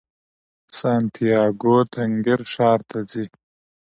سانتیاګو تنګیر ښار ته ځي.